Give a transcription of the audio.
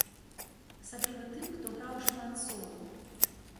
Асабліва тым, хто граў шмат сола.